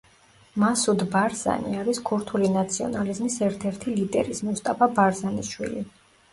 მასუდ ბარზანი არის ქურთული ნაციონალიზმის ერთ-ერთი ლიდერის, მუსტაფა ბარზანის შვილი.